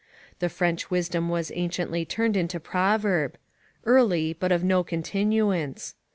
The French wisdom was anciently turned into proverb: "Early, but of no continuance."